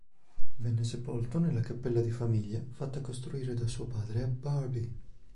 Venne sepolto nella cappella di famiglia fatta costruire da suo padre a Barby.